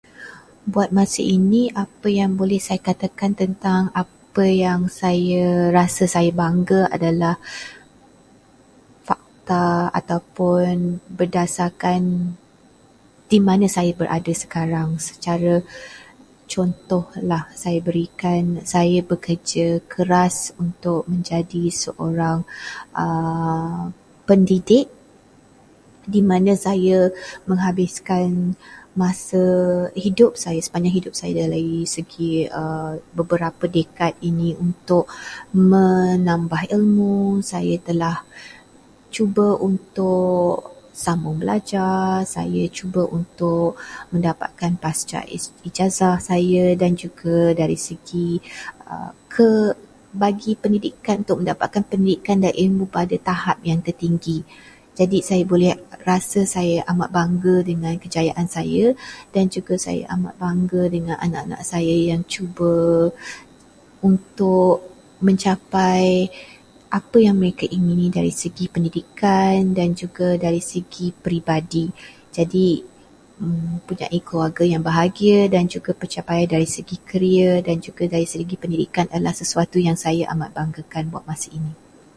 Buat masa ini, apa yang boleh saya katakan tentang apa yang saya rasa saya bangga adalah fakta ataupun berdasarkan di mana saya berada sekarang. Secara- Contohlah saya berikan, saya bekerja keras untuk menjadi seorang pendidik, di mana saya menghabiskan masa hidup saya- sepanjang hidup saya, dari segi aa beberapa dekad ini untuk menambah ilmu, saya telah cuba untuk sambung belajar, saya cuba untuk mendapatkan pasca- ijazah saya, dan juga dari segi ke- bagi pendidikan, mendapatkan pendidikan dan ilmu pada tahap yang tertinggi. Jadi, saya boleh rasa amat bangga dengan kejayaan saya dan saya juga amat bangga dengan anak-anak saya yang cuba untuk mencapai apa yang mereka ingini dari segi pendidikan dan dari segi peribadi. Jadi mempunyai keluarga yang bahagia, pencapaian dari segi karier, dari segi pendidikan adalah sesuatu yang amat saya banggakan buat masa ini.